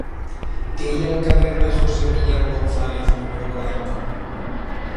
Què hi ha al carrer de José Millán González número quaranta-u?